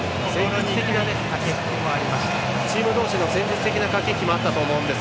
チーム同士の戦術的な駆け引きもあったと思います。